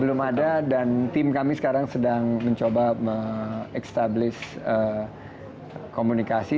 belum ada dan tim kami sekarang sedang mencoba mengekstabilis komunikasi